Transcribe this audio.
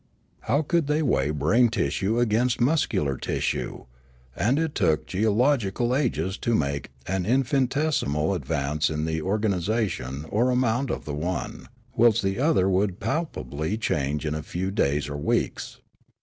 How could they weigh brain tissue against muscular tissue ? And it took geological ages to make an infinitesimal advance in the organisation or amount of the one, whilst the other would palpably change in a few days or weeks.